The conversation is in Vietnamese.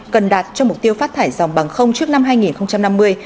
cần đạt cho mục tiêu phát thải dòng bằng không trước năm hai nghìn năm mươi